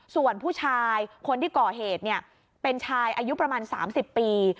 ส่วนผู้ชายคนที่ก่อเหตุเป็นชายอายุประมาณ๓๐ปี